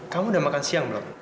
kamu udah makan siang belum